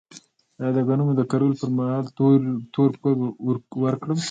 آیا د غنمو د کرلو پر مهال تور کود ورکړم؟